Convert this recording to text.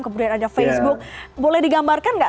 kemudian ada facebook boleh digambarkan nggak